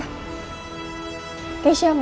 sekarang kita punya apa